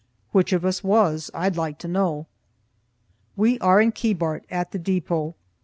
Which of us was? I'd like to know. We are in Keebart, at the depot.